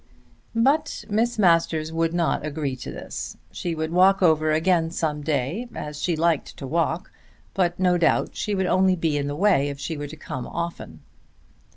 But Miss Masters would not agree to this. She would walk over again some day as she liked the walk, but no doubt she would only be in the way if she were to come often.